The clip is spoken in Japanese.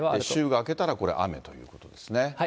週が明けたら、これ雨ということですね。